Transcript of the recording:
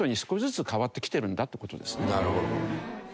なるほど。